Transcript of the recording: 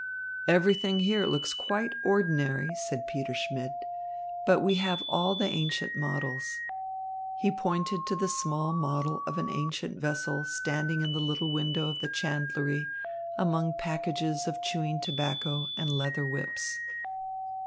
"Everything here looks quite ordinary," said Peter Schmidt, "but here we have all the ancient models." He pointed to the small model of an ancient vessel standing in the little window of the chandlery, among packages of chewing tobacco and leather whips.